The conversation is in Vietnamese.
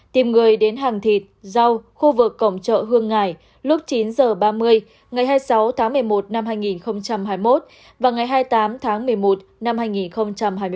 tìm người đến hàng thịt rau khu vực cổng chợ hương ngài lúc chín h ba mươi ngày hai mươi sáu tháng một mươi một năm hai nghìn hai mươi một và ngày hai mươi tám tháng một mươi một năm hai nghìn hai mươi ba